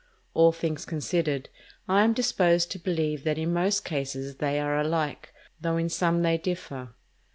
All things considered, I am disposed to believe that in most cases they are alike, though in some they differ.